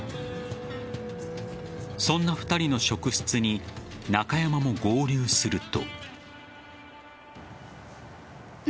そんな２人の職質に中山も合流すると。